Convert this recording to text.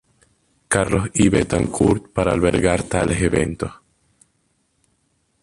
Carlos I. Betancourt para albergar tales eventos.